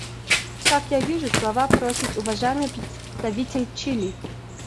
Как я вижу, слова просит уважаемый представитель Чили.